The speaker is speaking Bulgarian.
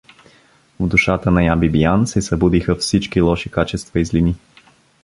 В душата на Ян Бибиян се събудиха всички лоши качества и злини.